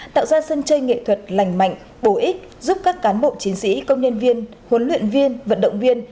tạo ra sân chơi nghệ thuật lành mạnh bổ ích giúp các cán bộ chiến sĩ công nhân viên huấn luyện viên vận động viên